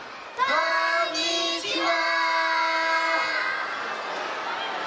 こんにちは！